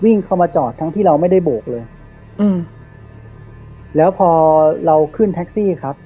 เข้ามาจอดทั้งที่เราไม่ได้โบกเลยอืมแล้วพอเราขึ้นแท็กซี่ครับ